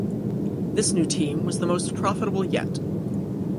This new team was the most profitable yet.